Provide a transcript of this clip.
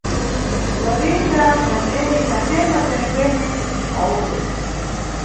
Lolita na Meri Tatenda kwenekwene, Pawulo.